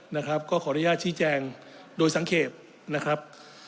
นะครับก็ขออนุญาตชี้แจงโดยสังเกตนะครับ